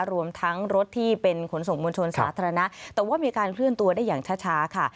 รวมทั้งรถที่เป็นขนส่งมวลชนสาธารณะแต่ว่ามีการเคลื่อนตัวได้อย่างช้าค่ะ